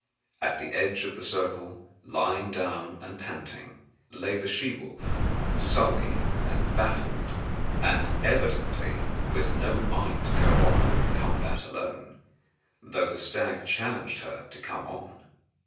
At the edge of the circle, lying down and panting, lay the she wolf, sulky and baffled, and evidently with no mind to go on with the combat alone, though the stag challenged her to come on.